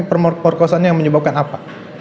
perkosaan yang menyebabkan apa